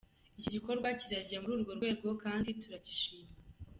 Iki gikorwa kirajya muri urwo rwego kandi turagishima.